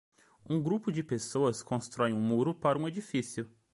Um grupo de pessoas constrói um muro para um edifício